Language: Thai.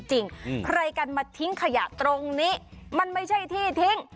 ใครกันมาทิ้งขยะตรงนี้มันไม่ใช่ที่ทิ้ง